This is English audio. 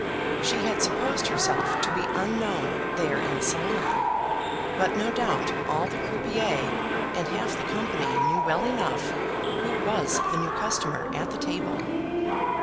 She had supposed herself to be unknown there in the salon, but no doubt all the croupiers and half the company knew well enough who was the new customer at the table.